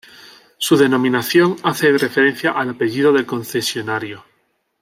Su denominación hace referencia al apellido del concesionario.